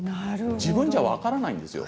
自分じゃ分からないんです。